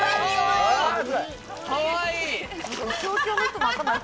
かわいい！